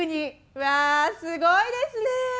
うわすごいですね。